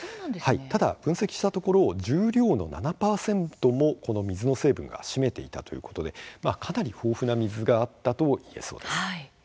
ただ、分析したところ重量の７％もこの水の成分が占めていたということでかなり豊富な水があったといえそうです。